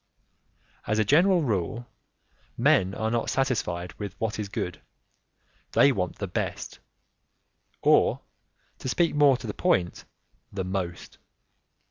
As a general rule, men are not satisfied with what is good; they want the best, or, to speak more to the point, the most.